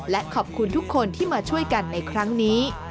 และขอบคุณทุกคนที่มาช่วยกันในครั้งนี้